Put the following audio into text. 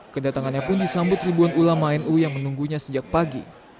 kedatangannya pun disambut ribuan ulama nu yang menunggunya sejak pagi